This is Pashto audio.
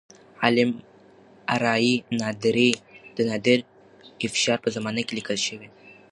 عالم آرای نادري د نادر افشار په زمانه کې لیکل شوی.